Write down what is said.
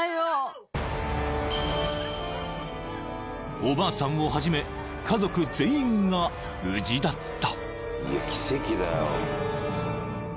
［おばあさんをはじめ家族全員が無事だった］